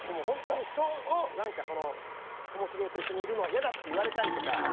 ホントに人をなんかその「ともしげと一緒にいるのは嫌だ」って言われたりとか。